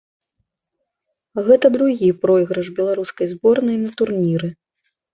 Гэта другі пройгрыш беларускай зборнай на турніры.